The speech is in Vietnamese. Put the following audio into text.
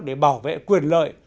để bảo vệ quyền lợi